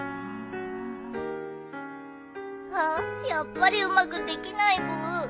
あやっぱりうまくできないブー。